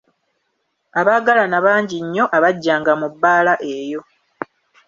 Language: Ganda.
Abaagalana bangi nnyo abajjanga mu bbaala eyo.